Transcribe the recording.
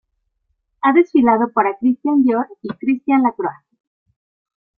Ha desfilado para Christian Dior y Christian Lacroix.